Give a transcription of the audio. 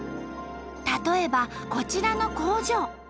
例えばこちらの工場。